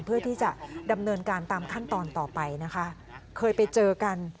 เพื่อที่จะดำเนินการตามขั้นตอนต่อไปนะคะ